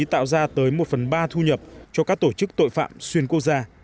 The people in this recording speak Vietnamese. tạo ra tới một phần ba thu nhập cho các tổ chức tội phạm xuyên quốc gia